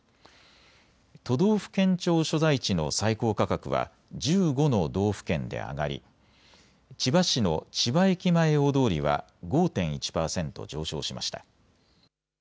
都道府県庁所在地の最高価格は１５の道府県で上がり千葉市の千葉駅前大通りは５．１％上昇しました。